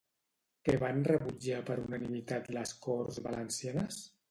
Què van rebutjar per unanimitat les Corts Valencianes?